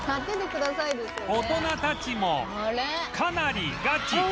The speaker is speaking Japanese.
大人たちもかなりガチ